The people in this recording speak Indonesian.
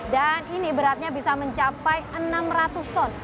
ini beratnya bisa mencapai enam ratus ton